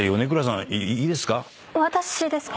私ですか？